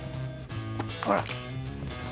ほら！